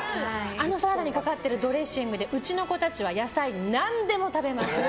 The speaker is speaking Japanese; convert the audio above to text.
あのサラダにかかってるドレッシングでうちの子たちは野菜、何でも食べます。